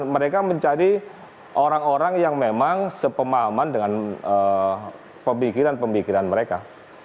mereka mencari orang orang yang memang sepemahaman dengan pemikiran pemikiran mereka